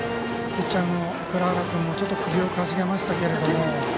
ピッチャーの藏原君もちょっと首をかしげましたけども。